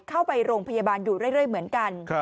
เข้าไปโรงพยาบาลอยู่เรื่อยเหมือนกัน